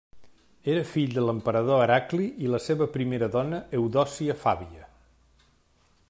Era fill de l'emperador Heracli i la seva primera dona Eudòcia Fàbia.